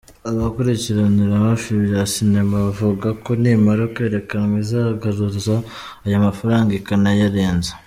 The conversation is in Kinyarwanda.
Abakurikiranira hafi ibya sinema bavuga ko nimara kwerekanwa izagaruza ayo mafaranga ikanayarenze.